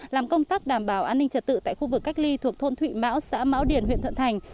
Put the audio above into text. làm công tác đảm bảo an ninh trật tự tại khu vực cách ly thuộc thôn thụy mão xã mão điền huyện thuận thành